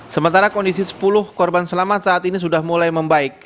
sementara kondisi sepuluh korban selamat saat ini sudah mulai membaik